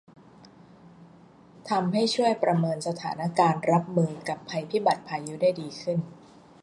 ทำให้ช่วยประเมินสถานการณ์รับมือกับภัยพิบัติพายุได้ดีขึ้น